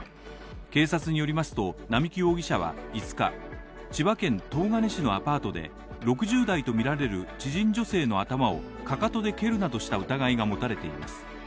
警察によりますと並木容疑者は５日、千葉県東金市のアパートで６０代とみられる知人女性の頭をかかとで蹴るなどした疑いが持たれています。